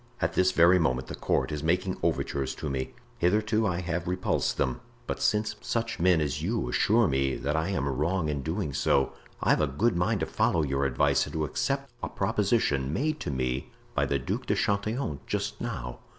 At this very moment the court is making overtures to me; hitherto I have repulsed them; but since such men as you assure me that I am wrong in doing so, I've a good mind to follow your advice and to accept a proposition made to me by the Duc de Chatillon just now."